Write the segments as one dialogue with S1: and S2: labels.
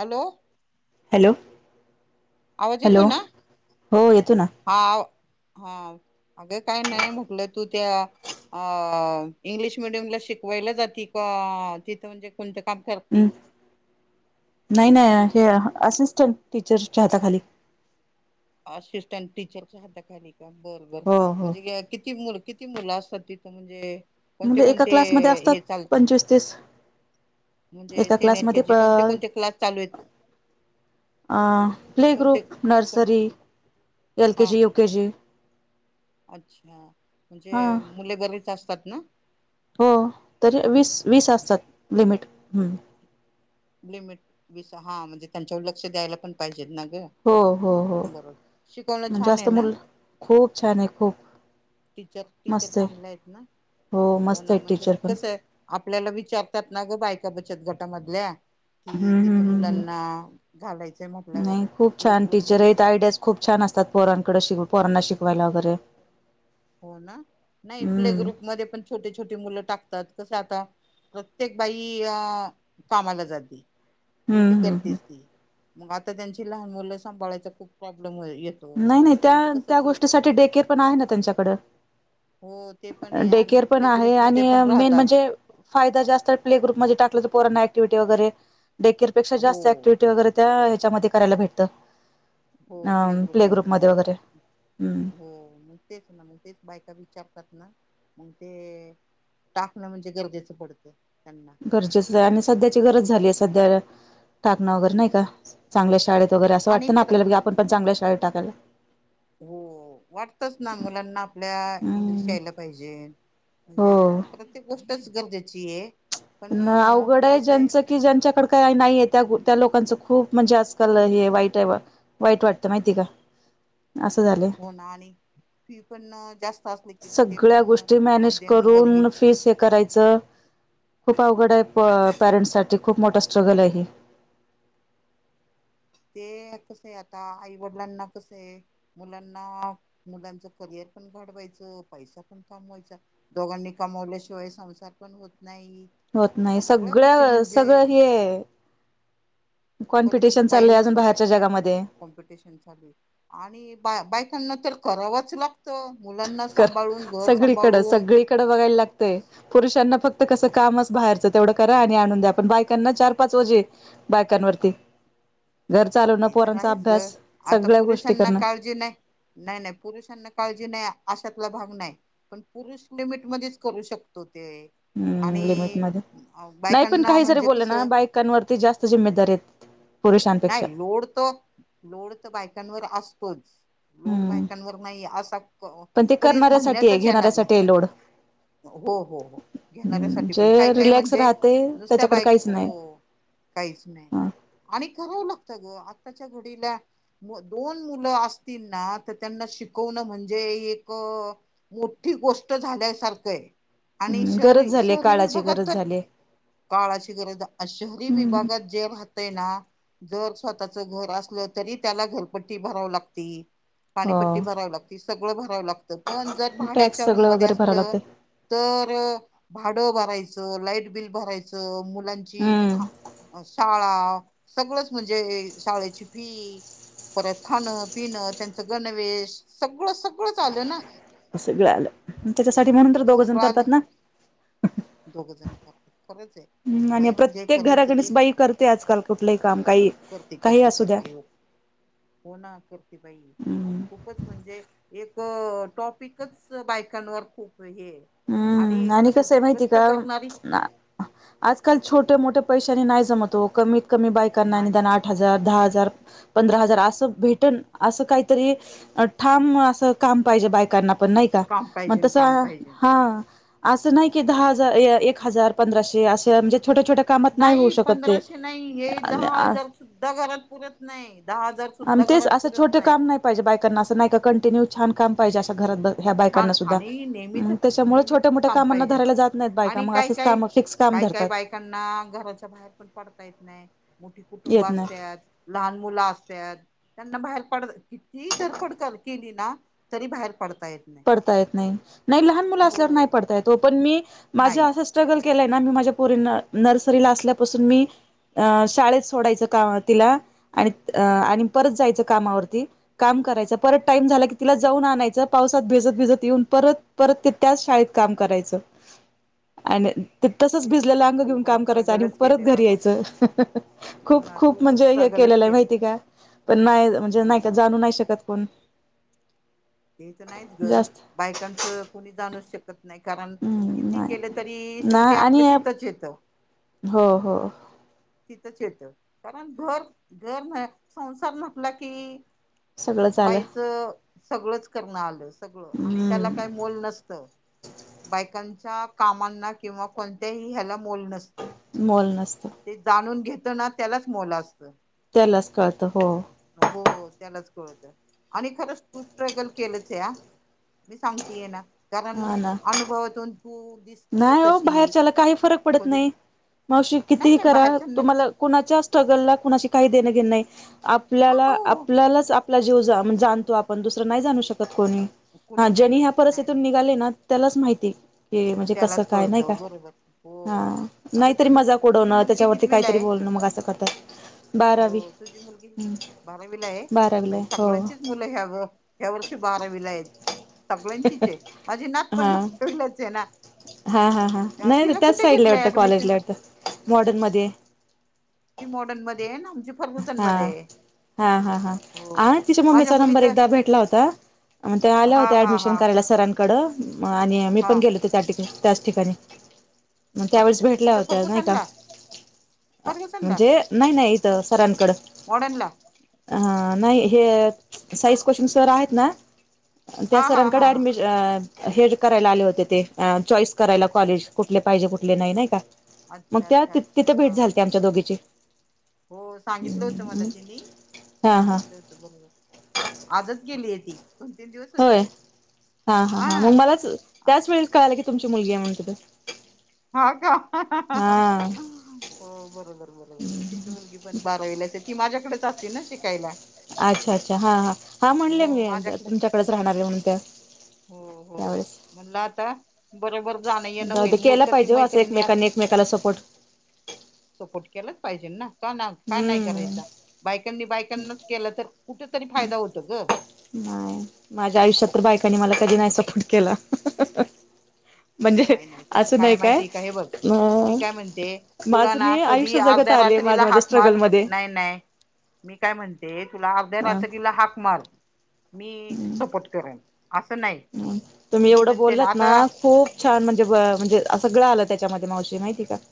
S1: Hello!
S2: Hello!
S1: आवज
S2: hello
S1: येतो ना?
S2: हो येतो ना
S1: हा हा अगं काय नाही म्हटलं तू त्या, अ इंग्लिश मिडियमला शिकवायला जाती का तिथं म्हणजे कोणत.
S2: हम् नाही नाही. हे असिस्टंट टीचरच्या हाता खाली,
S1: असिस्टंट टीचरच्या हाताखाली का बर बर
S2: हो हो
S1: म्हणजे, किती मुलं किती मुलं असतात. तिथं म्हणजे, कोणते
S2: म्हणजे एका
S1: कोणते
S2: क्लासमध्ये असतात
S1: हे चालतात
S2: पंचवीस तीस
S1: म्हणजे
S2: एका
S1: सीनिअर के
S2: क्लासमध्ये
S1: जी
S2: प
S1: कोणते कोणते क्लास चालू आहेत.
S2: अ प्ले
S1: कोणते
S2: ग्रुप,
S1: कोण
S2: नर्सरी एल
S1: हा
S2: केजी, यु केजी,
S1: अच्छा! म्हणजे मुले घरीच असतात ना?
S2: हो तरी वीस वीस असतात लिमिट ह्
S1: लिमिट हा म्हणजे त्यांच्यावर लक्ष द्यायला पण पाहिजेत ना? ग
S2: हो हो हो
S1: बरोबर शिकवणं
S2: म्हणजे
S1: छान आहे
S2: जास्त
S1: ना
S2: मुल खूप छान आहे, खूप
S1: टीचर टीचर
S2: मस्त आहे
S1: चांगले आहेत ना? हो
S2: मस्त
S1: ना
S2: आहे
S1: म्हणजे
S2: टीचर
S1: मग
S2: पण
S1: कस आहे, आपल्याला विचारतात ना ग बायका बचत गटामधल्या
S2: हम्म
S1: कि
S2: हम्म
S1: तिथं
S2: हम्म
S1: मुलांना
S2: हम्म
S1: घालायचंय म्हटल्यावर
S2: नाही खूप
S1: प्ले
S2: छान
S1: ग्रुप
S2: टीचर
S1: मध्ये
S2: आहेत आयडिया खूप छान असतात पोरांकड पोरांना शिकवायला वगैरे
S1: हो ना नाही प्ले
S2: हम्म
S1: ग्रुप मध्ये पण छोटी छोटी मुलं टाकतात कस आता. प्रत्येक बाई अ कामाला जाते. ड्युटी
S2: हम्म हम्
S1: करतेस ती मग आता त्यांची लहान मुलं सांभाळायचा खूप प्रॉब्लेम येत.
S2: नाही नाही त्या त्या गोष्टीसाठी डेकेअर पण आहे ना त्यांच्याकडं.
S1: हो ते पण आहे आणि प्ले
S2: आहे
S1: ग्रुप मध्ये
S2: आणि
S1: पण
S2: मेन
S1: राहतात
S2: म्हणजे फायदा जास्त आहे प्ले ग्रुपमध्ये टाकला तर पोरांना ऍक्टिव्हिटी वगैरे येते डेकेयरपेक्षा
S1: हो
S2: जास्त ऍक्टिव्हटी वगैरे त्या ह्याच्यामध्ये करायला भेटत
S1: हो
S2: अ
S1: प्ले ग्रुप मध्ये हो मग तेच ना मग तेच बायका विचार ग ते टाकणं म्हणजे गरजेचं पडतं. त्यांना
S2: गरजेच आहे आणि सध्याची गरज झालीय, सध्या ठाकण वगैरे नाही का चांगल्या शाळेत. वगैरे अस
S1: आणि
S2: वाटतं ना
S1: प्र
S2: आपल्यालाी आपण चांगल्या शाळेेत टाकायला.
S1: हो वाटतच ना मुलांना आपल्या इंग्लिश
S2: हम्म
S1: यायला पाहिजे. म्हणजे
S2: हो
S1: प्रत्येक गोष्टच गरजेची आहे. पण
S2: अवघड आहे ज्यांचं कि ज्यांच्याकड का नाहीये त्या त्या लोक. लकांच खूप म्हणजे आजकाल हे वाईट आहे, वाईट वाटतं माहिती का. असं झालंय
S1: होणार आणि ती पण जास्त. असली की ते
S2: सगळ्या
S1: पण
S2: गोष्टी मॅनेज
S1: मध्यमवर्गीय
S2: करून फीस हे करायचं. खूप अवघड आहे पॅरेंट्ससाठीठी खूप मोठा स्ट्रगल आहे.
S1: ते कस आहे आता आई वडिलांना कस आहे, मुलांना मुलांच करियर पण. ढवायच पैसा पण कमवायचा दोघांनी कमवल्याशिवाय संसार पण हो.
S2: होत नाही सगळ
S1: म्हणजे
S2: सगळं हे.
S1: खरंच ना
S2: कॉमपिटिशन चालय
S1: बाईनीच
S2: अजून बारच्या जगामध्ये.
S1: कॉम्पिटिशन साली आणि बा बायकांना तर करावंच लागतं. मुलांना सांभाळून घर
S2: सगळीकडं
S1: सांभाळून
S2: सगळीकडें बघायला लागतेय पुरुषांना फक्त कसं कामच बाहेरच. तेवढं करा आणि आणून द्या आपण बायकांना चार पाच वजे बायकांवरती. घर चालवणं
S1: ते तर
S2: पोरांचा
S1: आहेच ग
S2: अभ्यास
S1: आता
S2: सगळ्या गोष्टी
S1: पोलरिसांना
S2: करणं
S1: काळजी नाही. नाही नाही पुरुषांना काळजी नाही. अशतला भाग नाही पण पुरुष लिमिट मध्येच करू शकतो ते.
S2: हम्म
S1: आणि
S2: लिमिटमध्ये नाही पण
S1: बायकांना
S2: काही जरी
S1: म्हणजे
S2: बोललं
S1: कस.
S2: ना बायकांवरती जास्त जिम्मेदारी आहेत पुरुषांपेक्षा
S1: नाही लोड तर लोड तर बायकांवर असतोच. लोड
S2: हम्म
S1: बायकांवर नाही असा
S2: पण ते
S1: कधीच
S2: करणाऱ्यासाठी आहे
S1: म्हणण्यातच येणार नाही.
S2: घेणाऱ्यासाठी आहे लोड
S1: हो हो हो घेणाऱ्यासाठीठी पण काही
S2: जे
S1: काही
S2: रिलॅक्स
S1: म्हणजे
S2: राहते
S1: नुसत्या
S2: त्याच्याकडे
S1: बाईक
S2: काहीच नाही
S1: हो. काहीच नाही
S2: ह
S1: आणि. गत ग आताच्या घडी दोन मुल असतील ना त्यांना शिक म्हणजे एक मोठी गोष्ट झाल्यासारख आहे. आणि
S2: हम्
S1: शहरी
S2: गरज झाले
S1: शहरी
S2: काळाची
S1: विभागात
S2: गरज
S1: तर
S2: झाले.
S1: काळाची गरज शहरी विभागात जे राहतय ना. जर स्वतःच घर असलं तरी त्याला घरपट्टी भराव लागते. पाणीपट्टी
S2: हो
S1: भरावी लागते सगळं भरावं लागत. पण जर
S2: टॅक्स
S1: भाड्याच्या रूम
S2: सगळं
S1: मध्ये
S2: वगैरे भरावं
S1: असलं
S2: लागते
S1: तर. भाडं भरायचं लाईट बिल भरायचं मुलांची ख
S2: हम्म
S1: शाळा. सगळंच म्हणजे शाळेची फी. परत खाणं पिणं त्यांचं गणवेश सगळं सगळंच आल ना.
S2: असगळं आलं त्याच्यासाठी म्हणून तर दोघंजण
S1: सगळं आलं
S2: करतात ना.
S1: दोघ जण करतात खरंच आहे
S2: हम् आणि
S1: बाई म्हणजे
S2: प्रत्येक
S1: खरंच
S2: घराकच
S1: एक
S2: बाई करते आजकाल. कुठलंही काम काही
S1: करते
S2: काही
S1: करते
S2: असू द्या.
S1: करते हो ना करते बाई खूपच म्हणजे एक. टॉपिकच बायकांवर खूप हे.
S2: हम्म आणि
S1: खरंच
S2: कस आहे माहिती
S1: कष्ट
S2: का
S1: करणारी
S2: आजकाल छोट्या मोठ्या. पैशानी नाही जमत ओ कमीत कमी बायकांना
S1: नाही
S2: निदान आठ हजार दहा हजार. ं पंधरा हजार अस भेट अस काहीतरी ठाम अस काम पाहिजे बायकांना. पण नाही का
S1: काम
S2: मग
S1: पाहिजे काम
S2: तसं.
S1: पाहिजे
S2: हा असं नाही की दहा हजार एक हजार पंधराशे असं म्हणजे. छोट्या छोट्या कामात होऊ
S1: नाही
S2: शकत ते
S1: पंधराशे नाही हे दहा हजार सुद्धा घरात पुरत नाही दहा हजार.
S2: आणि
S1: सुद्धा
S2: तेच
S1: घरात
S2: असं
S1: पुरत
S2: छोटे काम नाही पाहिजे बायकांना असं नाही का कंटिन्यू. छान काम पाहिजे असं घरात ह्या
S1: छान
S2: बायकांना सुद्धा.
S1: आणि नेहमीच
S2: मग त्याच्यामुळे छोट्या
S1: नेहमीचच
S2: मोठ्या
S1: काम
S2: कामांना
S1: पाहिजे
S2: धरायला जात नाहीत, बायका
S1: आणि
S2: मग
S1: काय
S2: असंच
S1: काय
S2: काम फिक्स काम
S1: काही काही
S2: धरतात.
S1: बायकांना बाहेर पण पडता येत नाही मोठी कुटुंब
S2: येत नाही
S1: असतात लहान मुलं असतात. त्यांना बाहेर पड किती धरपड केली ना तरी बाहेर पडता येईल.
S2: पडता येत नाही नाही लहान मुल असल्या नाही
S1: हो
S2: पडता येत पण मी माझ्या
S1: नाहीच
S2: असं स्ट्रगल. केलाय ना मी माझ्या परी नर्सरीला असल्यापासून मी. अ शाळेत सोडायचं काम तिला आणि आणि परत जायचं कामावरती काम. करायचा परत टाम झाला की, तिला जाऊन आणायच पाऊस. भिजत भिजत येऊन परत परत ते त्याच शाळेत काम करायचं आणि. ते तसच
S1: हो
S2: भिजलेलं अंग
S1: तू
S2: घेऊन
S1: पण
S2: काम करायचं आणि
S1: स्ट्रगलच
S2: परत
S1: केलंय
S2: घरी
S1: बाबा
S2: यायचं हम्म हम्म हम्म
S1: हो
S2: खूप
S1: ना तू
S2: खूप
S1: पण
S2: म्हणजे हे
S1: स्ट्रगलच
S2: केल. के
S1: केलं
S2: माहिती का पण नाही म्हणजे
S1: हो
S2: नाही का
S1: ना
S2: जाणू नाही शकत कोण.
S1: ते तर नाहीच ग
S2: जास्त
S1: बायकांचं कोणी जाणू शक नाही कारण
S2: हम्म
S1: किती
S2: नाही.
S1: केलं तरी
S2: ना
S1: शेवटी आपलं
S2: आणि
S1: तिथंच येत.
S2: हो हो.
S1: तिथंच येत कारण घर घर न संसार म्हटला की.
S2: सगळंच आलं
S1: बाईचं सगळंच करण आलं. सगळ आणि त्याला काही
S2: हम्म
S1: मोल नसत बायकांच. ह्या कामांना किंवा कोणत्याही ह्याला मोल नसत
S2: मोल नसतं
S1: ते जाणून घेत. ना त्यालाच मोलं असत.
S2: त्यालाच कळतं हो
S1: हो त्यालाच. [unintelligible] आणि खरंच तूप ट्रॅगल केलंच या मी सांगतीय ना. कारण
S2: हा ना.
S1: अनुभवातून. तू दिसतीय
S2: नाही हो
S1: तशी
S2: बाहेरच्याला काही फरक पडत
S1: कधी
S2: नाही. मावशी
S1: नाही
S2: किती
S1: नाही
S2: करा
S1: बाहेरच्याना
S2: तुम्हाला कणाच्या स्ट्रगल ला कुणा शी. काही देण घे नाही
S1: का
S2: आपल्याला
S1: हो
S2: आपल्यालाच आपला जीवण जाणतो आपण दुसरं नाही जाणू शकत. कोणी हा
S1: कुणी नाही
S2: जनी
S1: नाही
S2: ह्या
S1: नाही
S2: परिस्थतून
S1: नाही
S2: निघाले ना त्यालाच माहिती हे. म्हणजे कस
S1: त्यालाच
S2: काय नाही का
S1: कळतं बरोबर
S2: हा
S1: हो आता
S2: नाहीतरी
S1: तुझ
S2: मजाक
S1: तुझी
S2: उडवणं
S1: मुलगी
S2: त्याच्यावरती
S1: कितवीला
S2: काहीतरी
S1: आहे
S2: बोलण म असं करतात बारावी
S1: हो तुझी मुलगी
S2: हम्म.
S1: बारावीला आहे,
S2: बारावीला
S1: बाई
S2: आहे हो
S1: सगळ्यांचीच मुलं ह्या ह्या वर्षी बारावीला आहेत. सगळ्यांचीच आहे, माझी नात पण
S2: हा.
S1: बारावीला आहे ना.
S2: हा हा हा नाही
S1: तिला
S2: त्याच
S1: कुठे
S2: साईडला
S1: घेतलंय
S2: वाटत
S1: ऍडमिशन
S2: कॉलेजला वाटत मॉडर्न मध्ये.
S1: ती मॉडन मध्ये ना आमची फरबुजांमध्ये
S2: हा
S1: हाय.
S2: हा हा हा आ तिच्या मम्मीचा नंबर
S1: मुलीच
S2: एकदा भेटला होता. मग ते आल्या
S1: हा
S2: होते
S1: हा
S2: ऍडमिशन
S1: हा
S2: करायला सरां कड आणि मी
S1: हा
S2: पण गेलो होत, त्या ठिक त्याच ठिकाणी. मग त्यावेळेस
S1: अच्छा
S2: भेटल्या
S1: कुठं
S2: होत्या नाही का
S1: फर्गुसनला फर्गुसनला
S2: म्हणजे नाही नाही इथ.
S1: मॉडर्नला
S2: नाही साईज क्वेश्चन सर आहेत ना.
S1: हा हा
S2: त्यासरांकडे
S1: हा हा
S2: ऍडमिशन अ. हे जे करायला आले होते, ते चॉईस करायला कॉलेज कुठले पाहिजे कुठले नाही
S1: हा
S2: नाही का. मग
S1: अच्छा
S2: त्या
S1: अच्छा
S2: तिथे
S1: अच्छा
S2: भेट
S1: हा
S2: झालती आमच्या दोघीची.
S1: हो सांगितलं होत, मला त्यांनी
S2: हा हा
S1: सांगितलं होत, बघ आजच गेली.
S2: होय हा हा हा मग मलाच त्याच वेळ कळायला की, तुमची मुलगी आहे म्हणून तिथं.
S1: हा का हा हा हा हा हा ह हो बरोबर बरोबर तिची मुलगीहा पण बारावीला. ती माझ्याकडेच असतील ना शिकायला.
S2: अच्छा अच्छा हा हा हा म्हणले
S1: हो
S2: मी
S1: माझ्याकडे
S2: तुमच्याकडेच राहणारे म्हण त्या.
S1: हो हो म्हणलं आता बरोबर. जाणं येणं
S2: द
S1: होईल मु-
S2: केला
S1: कशी
S2: पाहिजे असं
S1: मैत्रिणी
S2: एकमेकांनी एकमेकाला सपोर्ट.
S1: केलंच पाहिजे ना का का नाही
S2: हम्म
S1: करायचा. बायकांनी बायकांनाच केलं तर कुठेतरी फायदा होतो ग.
S2: नाही माझ्या आयुष्यात तर बायकांनी मला कधी नाही सपोर्ट केला म्हणजे
S1: नाही नाही तस
S2: असं
S1: काय
S2: नाही
S1: माहितीय का हे बघ मी
S2: अ
S1: काय म्हणते तुला
S2: माझं
S1: ना
S2: मी
S1: कधी
S2: आयुष्य जगत
S1: अर्ध्या रा -
S2: आले
S1: त्रीला
S2: माझ्या माझ्या
S1: हाक मार
S2: स्ट्रगलमध्ये
S1: नाही नाही. मी काय म्हणते तुला अर्ध्या
S2: ह
S1: रात्री तिला हाक मार मी सपोर्ट करेन. असं नाही
S2: तुम्ही
S1: मी
S2: एवढं
S1: म्हणते
S2: बोललात ना
S1: आता
S2: खूप छान म्हणजे म्हणजे सगळं आलं त्याच्यामध्ये मावशी. माहिती आहे का?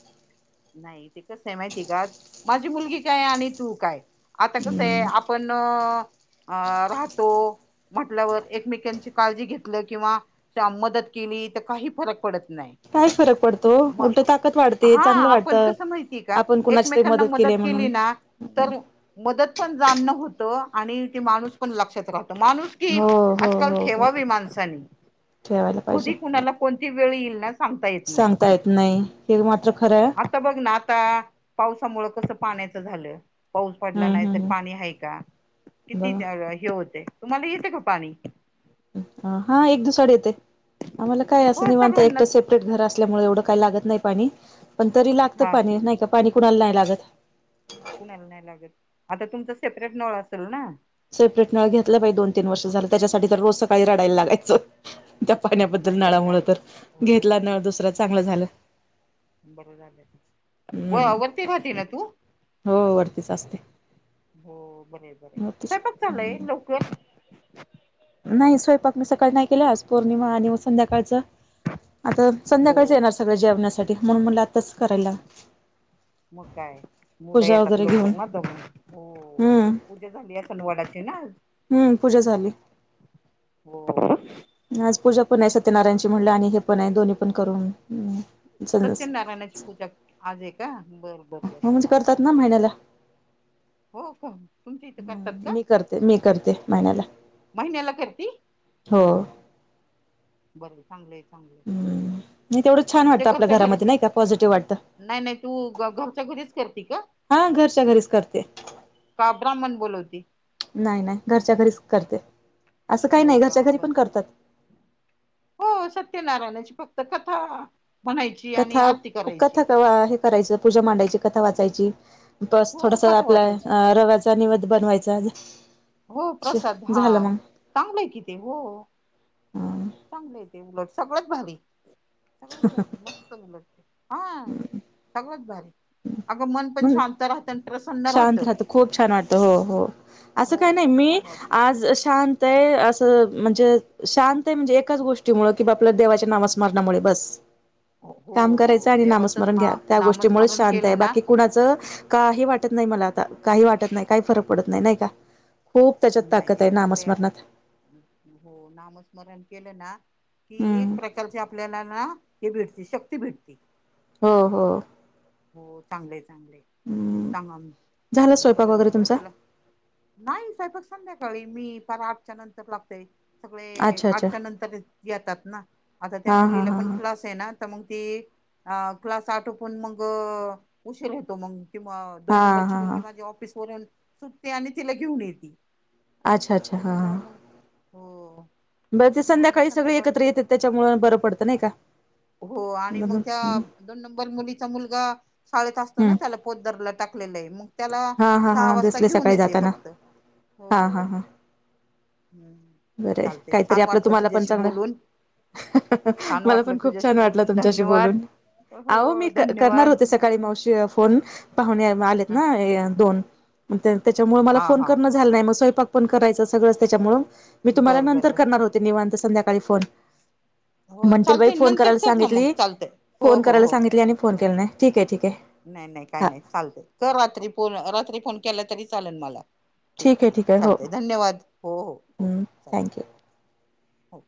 S1: नाही ते कसं आहे माहिती आहे का? माझी मुलगी काय आणि तू काय. आता कसं आहे
S2: हम्म
S1: आपण अं राहतो म्हटल्यावर एकमेकांची काळजी घेतलं, किंवा मदत केली, तर काही फरक पडत नाही.
S2: काय फरक पडतो
S1: म
S2: उलट ताकद वाढते
S1: हां
S2: चांगलं
S1: पण
S2: वाटतं
S1: कसं माहितीय का?
S2: आपण कुणाची तरी
S1: एकमेकांना मदत केली
S2: म्हणून
S1: ना तर मदत पण जाणणं होतं, आणि ते माणूस पण लक्षात राहतो. माणूस की
S2: हो हो
S1: आज काल
S2: हो हो
S1: ठेवावी माणसानी,
S2: ठेवायला पाहिजे
S1: कधी कुणाला कोण ती वेळ येईल ना सांगता येत नाही
S2: सांगता येत नाही. हे मात्र खर
S1: आता बघ ना आता पावसामुळ कसं पाण्याचं झालं. पाऊस पडला
S2: हम्म
S1: नाही तर
S2: हम्म हम्म
S1: पाणी आहे का? किती
S2: बघा
S1: हे होतय. तुम्हाला येतं का पाणी?
S2: हा एक दिवसाआड येते आम्हाला काय
S1: हो
S2: असं निवांत एकटं
S1: सगळ्यांनाच
S2: सेपरेट घर असल्यामुळे एवढं काय लागत नाही पाणी. पण तरी लागत
S1: हा
S2: पाणी. नाही का? पाणी कुणाला नाही लागत?
S1: कुणाला नाही लागत. आता तुमचा सेपरेट नळ असेल ना?
S2: सेपरेट नळ घेतला बाई दोन- तीन वर्ष झालं, त्याच्यासाठी तर रोज सकाळी रडायला लागायचं. त्या पाण्याबद्दल
S1: नाहीतर
S2: नळामुळ
S1: काय
S2: तर, घेतला नळ दुसरा चांगलं झालं.
S1: बर झाल. व
S2: हम्म
S1: वरती राहती ना तू?
S2: हो वरतीच असते.
S1: हो बर ये बर ये
S2: वरतीच
S1: स्वयंपाक चालय लवकर?
S2: नाही स्वयंपाक मी सकाळ नाही केला, आज पौर्णिमा आणि म संध्याकाळच आता संध्याकाळीच
S1: हो
S2: येणार सगळं जेवण्यासाठी. म्हणून म्हणल आता बसू करायला.
S1: मग काय मुलं
S2: पूजा
S1: येतात
S2: वगैरे
S1: लवकर
S2: घेऊन
S1: ना दमून,
S2: हम्म
S1: पूजा झाली असन वाडाची ना आज.
S2: हम्म पूजा झाली.
S1: हो
S2: आज पूजा पण आहे सत्यनारायणची म्हणल आणि हे पण आहे दोन्ही पण करून हम.
S1: सत्यनारायणाची पूजा आज आहे का? बर बर
S2: हो
S1: बर
S2: म्हणजे
S1: चालते
S2: करतात ना
S1: चालते.
S2: महिन्याला
S1: हो का तुमच्या इथं करतात
S2: हम्
S1: का
S2: मी करते मी करते महिन्याला.
S1: महिन्याला करती?
S2: हो
S1: चांगलय.
S2: हम्म.
S1: म्हणजे घरच्या घरी,
S2: पॉझिटिव्ह वाटतं
S1: नाही नाही तू घरच्या घरीच कर - ती का?
S2: हा घरच्या घरीच करते
S1: का ब्राह्मण बोलवती?
S2: नाही नाही घरच्या घरीच करते. असं काही
S1: हो
S2: नाही घरच्या
S1: का
S2: घरी
S1: बर
S2: पण
S1: झाल.
S2: करतात
S1: हो सत्यनारायणाची फक्त कथा म्हणायची आणि
S2: कथा
S1: आरती करायची
S2: कथा हे करायचं पूजा मांडायची, कथा वाचायची, बस
S1: हो
S2: थोडस
S1: कथा
S2: आपल
S1: वाचायची
S2: रव्याचा निवद बनवायचा
S1: हो प्रसाद हा
S2: झालं मग
S1: चांगलंय कि ते. हो. चांगले आहे ते उलट, सगळ्यात भारी, सगळत भारी, मस्त उलट. हा सगळंच भारी अगं मन पण
S2: मग
S1: शांत राहत, आणि प्रसन्न
S2: शांत
S1: राहतं
S2: राहत, खूप छान वाटत. हो हो असं
S1: हो
S2: काही नाही
S1: खूप
S2: मी
S1: छान वाटत.
S2: आज शांत आहे असं म्हणजे शांत आहे म्हणजे एकाच गोष्टी मूळ कि बा आपल्या देवाच्या नामस्मारणामुळे बस.
S1: हो
S2: काम करायचं आणि
S1: देवाचंच
S2: नामस्मरण
S1: ना
S2: घ्या त्या गोष्टीमुळे
S1: नामस्मरण
S2: शांत आहे
S1: केलं ना
S2: बाकी कुणाचं काही वाट मला आता काही वाटत नाही काही फरक पडत नाही नाही का? खूप त्याच्यात
S1: नाही
S2: ताकद
S1: ते
S2: आहे
S1: चांगले अग
S2: नामस्मरणात
S1: हो नामस्मरण केलं ना कि एक
S2: हम्म
S1: प्रकारची आपल्याला ना हे भेटती शक्ती भेटती.
S2: हो हो.
S1: हो चांगलेच.
S2: हम्म झाला स्वयंपाक
S1: बर
S2: वगैरे
S1: झाल
S2: तुमचा
S1: तुला नाही स्वयंपाक संध्या ळी मी फार आठच्या नंतर लागतेय. सगळे
S2: अच्छा अच्छा
S1: आठच्या नंतर येतात ना आता त्या
S2: हा हा
S1: मुलीला
S2: हा
S1: पण क्लास आहे ना तर मग ती अ क्लास आठोपण मग उशीर होतो मग किंवा
S2: हा हा
S1: दोन नंबरची
S2: हा
S1: मुलगी
S2: हा
S1: माझी ऑफिस वरून सुटते आणि तिला घेऊन येते.
S2: अच्छा अच्छा हा
S1: त्याच्यामुळे
S2: हा.
S1: मग हो.
S2: बरं ते
S1: त्याच्यामुळे मग
S2: संध्याकाळी सगळे एकत्र येते त्यांच्यामुळ बरं पडतं नाही का.
S1: हो आणि मग त्या
S2: हम्म
S1: दोन नंबर मुलीचा मुलगा शाळेत असतो ना त्याला पोतदरला टाक
S2: हा हा हा दिसले
S1: घेऊन
S2: सकाळी
S1: येते
S2: जाताना
S1: फक्त
S2: हा हा
S1: हो
S2: हा.
S1: हम्म
S2: बरं
S1: चालते
S2: काहीतरी
S1: छान
S2: आपलं
S1: वाटलं
S2: तुम्हाला पण
S1: तुझ्याशी
S2: चांगलं
S1: बोलून छान
S2: मला
S1: वाटलं
S2: पण खूप
S1: तुझ्याशी
S2: छान वाटलं
S1: बोलून
S2: तुमच्याशी
S1: धन्यवाद
S2: बोलून अहो
S1: हो
S2: मी करणार
S1: धन्यवाद
S2: होते सकाळी मावशी फोन पा आ
S1: हं,
S2: ना दोन त्याच्यामुळे म
S1: हा
S2: फोन
S1: हा
S2: करणं झा नाही म स्वय पण करायचं सगळंच त्याच्यामु मी तुम्हाला
S1: बर बर
S2: नंतर
S1: बर
S2: करणार होते निवांत संध्याकाळी फोन
S1: [unintelligible] हो
S2: म्हणतील बाई
S1: चालतय
S2: फोन
S1: नंतर
S2: करायला
S1: कर ना मग
S2: सांगितली
S1: चालतय हो
S2: फोन
S1: हो
S2: करायला
S1: हो.
S2: सांगितली आणि फोन केला ठीक आहे ठीक आहे
S1: नाही नाही काय
S2: हा
S1: नाही चालत कर रात्री पो रात्री फोन केला तरी चालेल मला. ठीक आहे ठीक आहे चालतय धन्यवाद हो हो हो चालतय.
S2: थँक्यू
S1: हो.